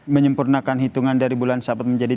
menyempurnakan hitungan dari bulan syahban menjadi tiga puluh